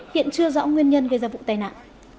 hiện chưa rõ nguyên nhân gây ra vụ tai nạn